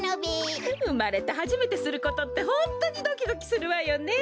うまれてはじめてすることってホントにドキドキするわよね。